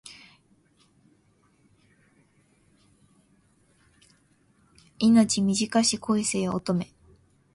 命短し恋せよ乙女